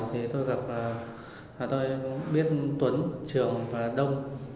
thì tôi gặp tôi biết tuấn trường và đông